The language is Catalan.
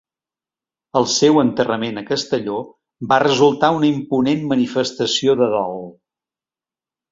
El seu enterrament a Castelló va resultar una imponent manifestació de dol.